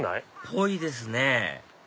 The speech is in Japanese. ぽいですね